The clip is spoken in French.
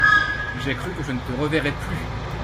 J’ai cru que je ne te reverrais plus !…